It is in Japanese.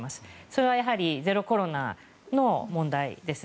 それは、やはりゼロコロナの問題です。